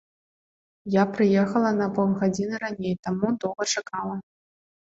Я прыехала на паўгадзіны раней, таму доўга чакала.